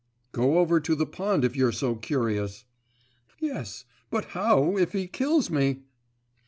…' 'Go over to the pond if you're so curious.' 'Yes; but how if he kills me?